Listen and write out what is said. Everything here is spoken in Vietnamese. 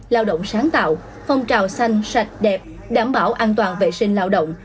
lao động sáng tạo phong trào xanh sạch đẹp đảm bảo an toàn vệ sinh lao động